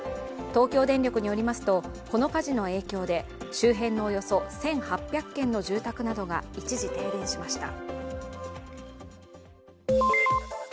東京電力によりますとこの火事の影響で周辺のおよそ１８００軒の住宅などが一時停電しました。